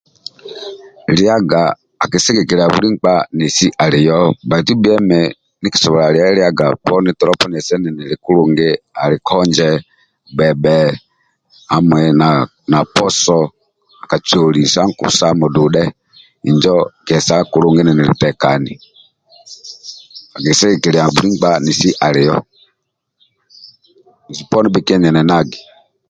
Liaga akisigikiliaga buli nkpa nesi alio bhaitu emi ndiekisobola liai liaga tolo poni niese ninili kulungi ali konje gbebhe hamui na posho kacoli sa nkusa mududhe injo kiesa kulungi ninitekani akisigikiliaga buli nkpa nesi alio bhesu poni bhikienenagi